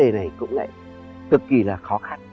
vấn đề này cũng lại cực kỳ là khó khăn